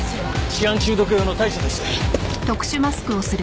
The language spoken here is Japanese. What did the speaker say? シアン中毒用の対処です。